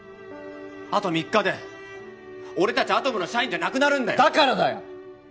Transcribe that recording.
あと３日で俺たちアトムの社員じゃなくなるんだよだからだよ！